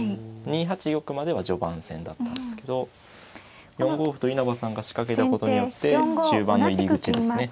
２八玉までは序盤戦だったんですけど４五歩と稲葉さんが仕掛けたことによって中盤の入り口ですね。